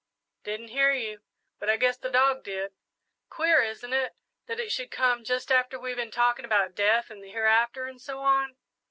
"Didn't hear you, but I guess the dog did. Queer, isn't it, that it should come just after we had been talking about death and the hereafter and so on?"